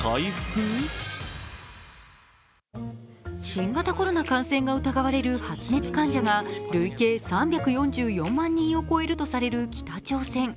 新型コロナ感染疑われる発熱患者が累計３４４万人を超えるとされる北朝鮮。